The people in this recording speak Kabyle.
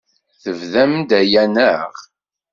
Tebdam-d aya, naɣ?